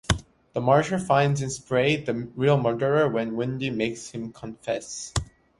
The marshal finds in Spray the real murderer when Windy makes him confess.